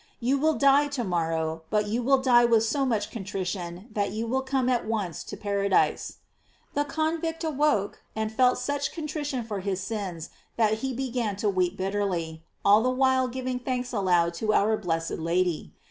You will die to morrow, but you will die with so much contrition that you will come at once to paradise." The convict awoke, and felt such contrition for his sins that he began to weep bitterly, all the while giving thanks aloud to our blessed Lady.